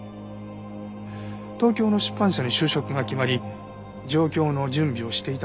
東京の出版社に就職が決まり上京の準備をしていた